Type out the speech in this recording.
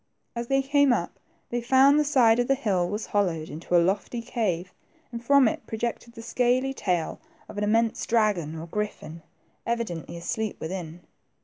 As they came up, they found the side of the hill was hollowed into a lofty cave, and from it projected the scaly tail of an immense dragon or griffin, evidently asleep within.